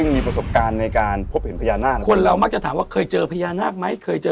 มีประสบการณ์ในการพบเห็นพญานาคคนเรามักจะถามว่าเคยเจอพญานาคไหมเคยเจอ